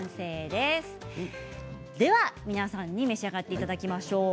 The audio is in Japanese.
では皆さんに召し上がっていただきましょう。